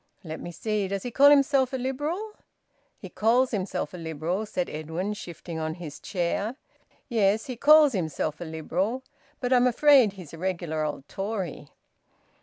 "Let me see, does he call himself a Liberal?" "He calls himself a Liberal," said Edwin, shifting on his chair. "Yes, he calls himself a Liberal. But I'm afraid he's a regular old Tory."